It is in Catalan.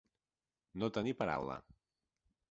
No tenir paraula.